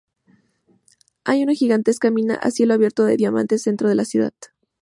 Hay una gigantesca mina a cielo abierto de diamantes dentro de la ciudad.